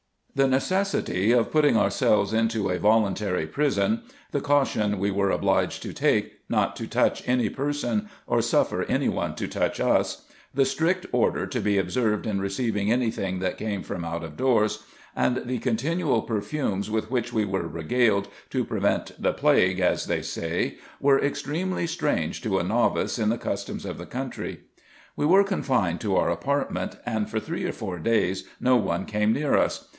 The necessity of putting ourselves into a voluntary prison ; the caution we were obliged to take, not to touch any person, or suffer any one to touch us ; the strict order to be observed in receiving any thing that came from out of doors ; and the continual perfumes with which we were regaled, to prevent the plague, as they say, were extremely strange to a novice in the customs of the country. We were confined to our apartment, and for three or four days no one came near us.